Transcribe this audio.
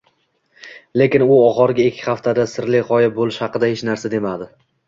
Lekin u oxirgi ikki haftada sirli g'oyib bo'lish haqida hech narsa demadi